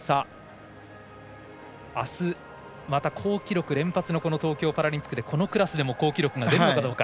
あす、また好記録連発の東京パラリンピックでこのクラスでも好記録が出るのかどうか。